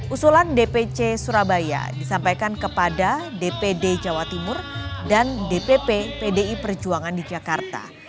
usulan dpc surabaya disampaikan kepada dpd jawa timur dan dpp pdi perjuangan di jakarta